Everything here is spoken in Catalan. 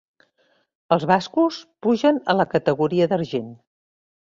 Els bascos pugen a la categoria d'argent.